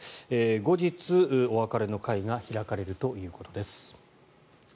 後日、お別れの会が開かれるということです。